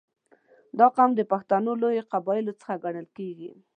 • دا قوم د پښتنو لویو قبیلو څخه ګڼل کېږي.